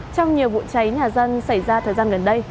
trong nhiều vụ cháy nhà dân xảy ra thời gian gần đây